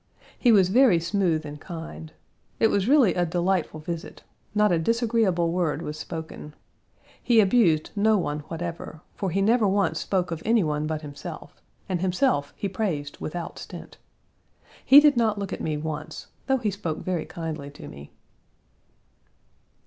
He was very smooth and kind. It was really a delightful visit; not a disagreeable word was spoken. He abused no one whatever, for he never once spoke of any one but himself, and himself he praised without stint. He did not look at me once, though he spoke very kindly to me.